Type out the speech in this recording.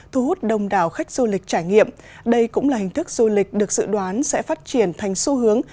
thu hút đông đảo khách du lịch trải nghiệm đây cũng là hình thức du lịch được dự đoán sẽ phát triển thành xu hướng